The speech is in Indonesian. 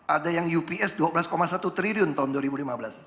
ada yang ups dua belas satu triliun tahun dua ribu lima belas